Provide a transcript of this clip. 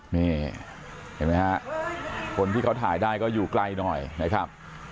นี่เห็นไหมฮะคนที่เขาถ่ายได้ก็อยู่ไกลหน่อยนะครับ